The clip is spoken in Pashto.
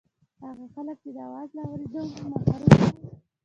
هغه خلک چې د اواز له اورېدو محروم وو.